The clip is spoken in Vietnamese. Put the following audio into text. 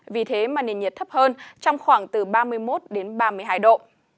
vì thế mà nền nhiệt thấp hơn trong khoảng từ ba mươi một đến ba mươi hai độ